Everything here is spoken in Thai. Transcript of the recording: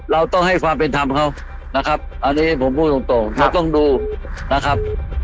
เราต้องให้ความเป็นธรรมเขานะครับอันนี้ผมพูดตรงเราต้องดูนะครับ